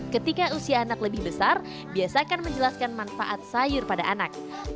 ketika usia anak lebih besar biasakan menjelaskan manfaat sayur pada anak